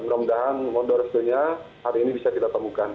mudah mudahan modul resdonya hari ini bisa kita temukan